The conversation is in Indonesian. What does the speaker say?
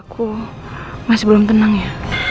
aku masih belum tenang ya